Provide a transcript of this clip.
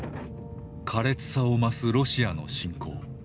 苛烈さを増すロシアの侵攻。